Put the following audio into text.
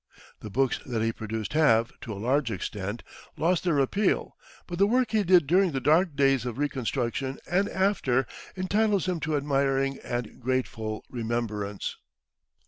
The books that he produced have, to a large extent, lost their appeal; but the work he did during the dark days of reconstruction and after entitles him to admiring and grateful remembrance.